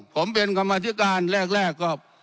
ผมเป็นคำวาธิการแรกก็